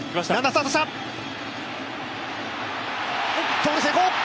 盗塁成功！